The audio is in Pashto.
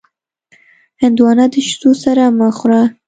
هندوانه د شیدو سره مه خوره.